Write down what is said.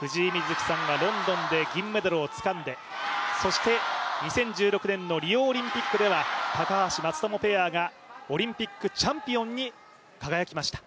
藤井瑞希さんがロンドンで銀メダルをつかんでそして、２０１６年のリオオリンピックでは高橋、松友ペアがオリンピックチャンピオンに輝きました。